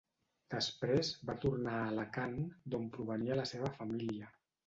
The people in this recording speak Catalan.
Després, va tornar a Alacant, d’on provenia la seva família.